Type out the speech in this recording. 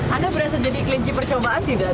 anda berasa jadi kelinci percobaan tidak